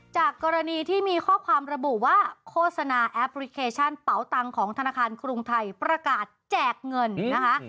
จากกรณีที่มีข้อความระบุว่าโฆษณาแอปพลิเคชันเป๋าตังของธนาคารกรุงไทยประกาศแจกเงินนะคะ